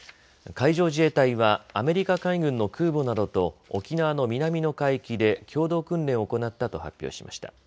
海上自衛隊はアメリカ海軍の空母などと沖縄の南の海域で共同訓練を行ったと発表しました。